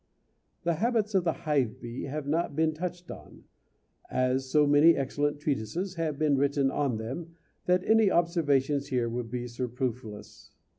The habits of the hive bee have not been touched on, as so many excellent treatises have been written on them that any observations here would be superfluous.